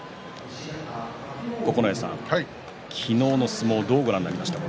九重さん、昨日の相撲どうご覧になりましたか？